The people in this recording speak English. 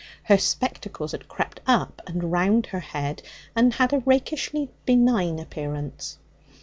Her spectacles had crept up and round her head, and had a rakishly benign appearance.